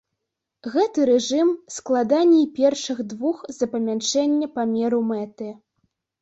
Гэты рэжым складаней першых двух з-за памяншэння памеру мэты.